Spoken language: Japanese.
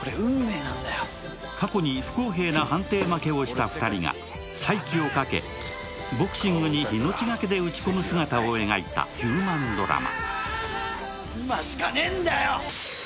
過去に不公平な判定負けをした２人が、再起をかけ、ボクシングに命がけで打ち込む姿を描いたヒューマンドラマ。